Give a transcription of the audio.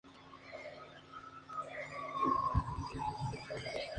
En algunos temas, como 'Skin deep', resurge el homenaje a The Doors.